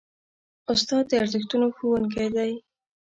استاد د ارزښتونو ښوونکی دی.